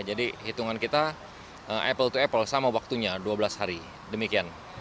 jadi hitungan kita apple to apple sama waktunya dua belas hari demikian